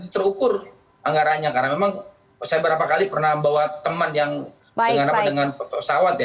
terukur anggarannya karena memang saya berapa kali pernah bawa teman yang dengan pesawat ya